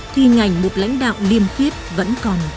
thì ngành một lãnh đạo liêm khiết vẫn còn